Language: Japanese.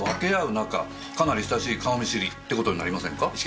かなり親しい顔見知りってことになりませんか？